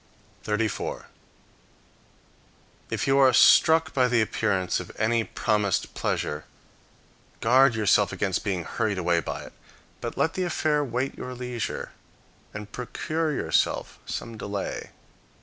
34. If you are struck by the appearance of any promised pleasure, guard yourself against being hurried away by it; but let the affair wait your leisure, and procure yourself some delay.